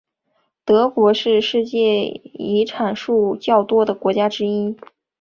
德国是世界遗产数较多的国家之一。